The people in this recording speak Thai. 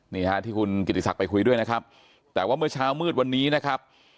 นี่ฮะที่คุณกิติศักดิ์ไปคุยด้วยนะครับแต่ว่าเมื่อเช้ามืดวันนี้นะครับ